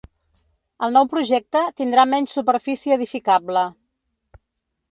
El nou projecte tindrà menys superfície edificable.